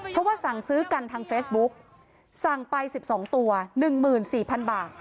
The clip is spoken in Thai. เพราะว่าสั่งซื้อกันทางเฟซบุ๊กสั่งไป๑๒ตัว๑๔๐๐๐บาท